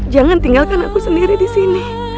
jangan tinggalkan aku sendiri disini